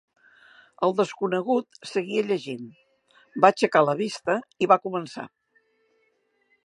"El desconegut seguia llegint; va aixecar la vista i va començar."